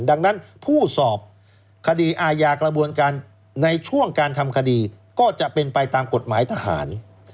ดังนั้นผู้สอบคดีอาญากระบวนการในช่วงการทำคดีก็จะเป็นไปตามกฎหมายทหาร